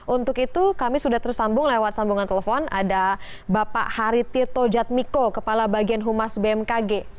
untuk itu kami sudah tersambung lewat sambungan telepon ada bapak hari tirto jatmiko kepala bagian humas bmkg